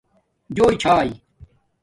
جݸݵ چھائئ